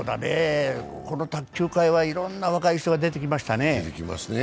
この卓球界はいろんな若い人が出てきましたね。